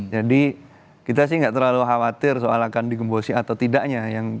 jadi kita sih gak terlalu khawatir soal akan digembosi atau tidaknya